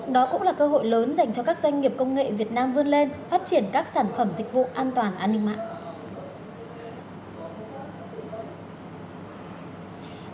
đó cũng là cơ hội lớn dành cho các doanh nghiệp công nghệ việt nam vươn lên phát triển các sản phẩm dịch vụ an toàn an ninh mạng